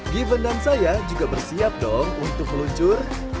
given dan saya juga bersiap dong untuk meluncur